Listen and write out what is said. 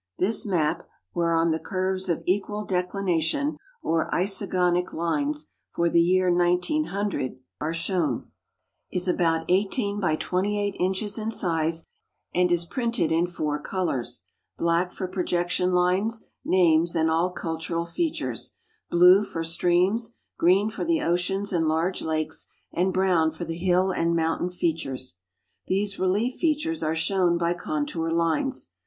This map, whereon the curves of equal declination or isogonic lines for the year 1900 are shown, GEOGRA PHIC LITER A TURE 231 is about 18 by 28 inches in size, and is printed in four colors: black f..r projection lines, names, and all cultural features ; blue for streams ; jjrecn for the oceans and large lakes, and brown for the hill and mountain fea tures. These relief features are shown by contour lines.